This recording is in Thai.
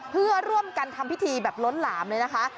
เพื่อร่วมกันทำพิธีแบบล้นหลามเลยนะคะ